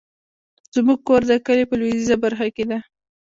زمونږ کور د کلي په لويديځه برخه کې ده